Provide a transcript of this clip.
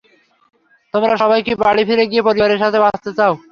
তোমরা সবাই কি বাড়ি ফিরে গিয়ে পরিবারের সাথে বাঁচতে চাও?